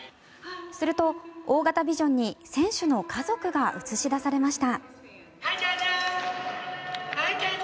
すると、大型ビジョンに選手の家族が映し出されました。